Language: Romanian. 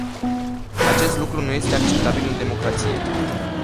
Acest lucru nu este acceptabil în democrație.